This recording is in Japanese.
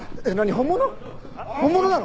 本物なの？